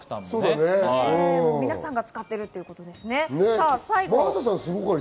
皆さんが使っているということですね。